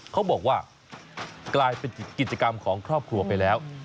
เขาบอกว่ากลายเป็นกิจกรรมของครอบครัวไปแล้ว